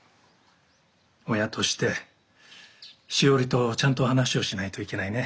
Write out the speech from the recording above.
親としてしおりとちゃんと話をしないといけないね。